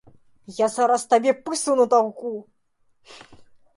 Я зараз табе пысу натаўку!